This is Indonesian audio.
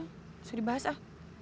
masih dibahas ah